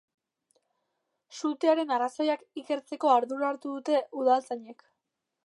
Sutearen arrazoiak ikertzeko ardura hartu dute udaltzainek.